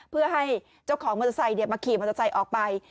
เพื่อให้เจ้าของมอเตอร์ไซค์มาขี่มอเตอร์ไซค์ออกไป